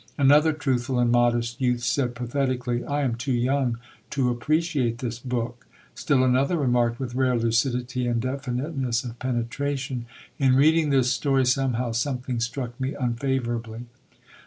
Another truthful and modest youth said pathetically, "I am too young to appreciate this book." Still another remarked with rare lucidity and definiteness of penetration, "In reading this story somehow something struck me unfavourably."